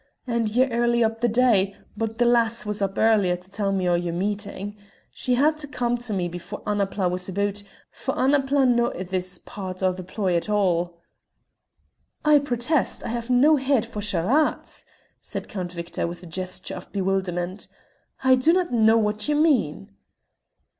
And ye're early up the day, but the lass was up earlier to tell me o' your meeting. She had to come to me before Annapla was aboot, for Annapla's no' in this part o' the ploy at all." "I protest I have no head for charades," said Count Victor, with a gesture of bewilderment. "I do not know what you mean."